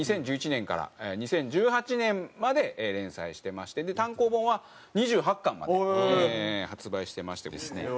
２０１１年から２０１８年まで連載してまして単行本は２８巻まで発売してましてですね。